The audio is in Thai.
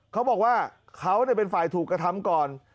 เขาบอกว่าเขาเป็นฝ่ายถูกกระทำก่อน